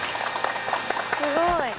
すごい。